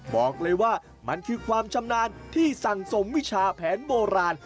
บอกเลยว่ามันคือความชำนาญที่สั่งสมวิชาแผนโบราณ